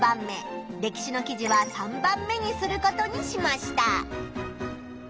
歴史の記事は３番目にすることにしました。